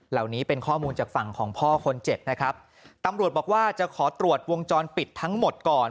เหล่านี้เป็นข้อมูลจากฝั่งของพ่อคนเจ็บนะครับตำรวจบอกว่าจะขอตรวจวงจรปิดทั้งหมดก่อน